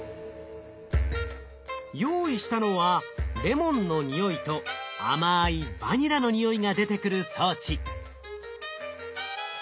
用意したのはレモンの匂いとあまいバニラの匂いが出てくる装置。